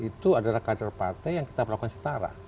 itu adalah kader partai yang kita perlakukan setara